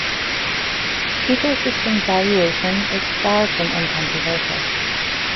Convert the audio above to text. Ecosystem valuation is far from uncontroversial.